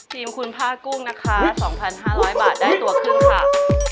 ทีมคุณผ้ากุ้งนะคะสองพันห้าร้อยบาทได้ตัวครึ่งค่ะ